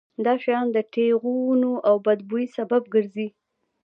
دا شیان د ټېغونو او بد بوی سبب ګرځي.